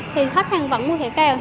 thì khách hàng vẫn mua thề kèo